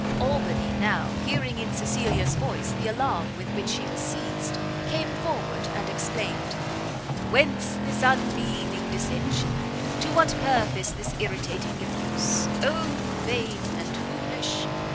Albany now, hearing in Cecilia's voice the alarm with which she was seized, came forward and exclaimed, "Whence this unmeaning dissension? to what purpose this irritating abuse? Oh vain and foolish!